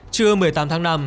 trưa một mươi tám tháng năm